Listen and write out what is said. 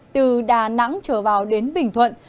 từ đà nẵng trở vào đến bình thuận